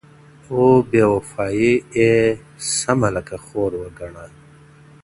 او بېوفايي ، يې سمه لکه خور وگڼه